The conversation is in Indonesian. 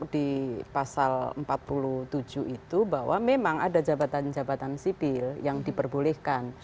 di pasal empat puluh tujuh itu bahwa memang ada jabatan jabatan sipil yang diperbolehkan